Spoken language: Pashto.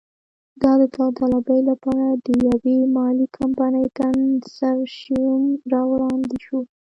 د داوطلبۍ لپاره د یوې مالي کمپنۍ کنسرشیوم را وړاندې شو.